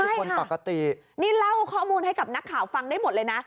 คนปกตินี่เล่าข้อมูลให้กับนักข่าวฟังได้หมดเลยนะ